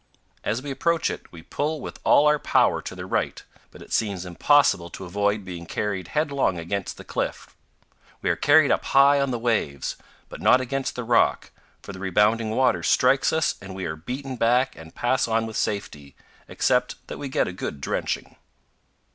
As we approach it we pull with all our power to the right, but it seems impossible to avoid being carried headlong against the cliff; we are carried up high on the waves but not against the rock, for the rebounding water strikes us and we are beaten back and pass on with safety, except that we get a good drenching.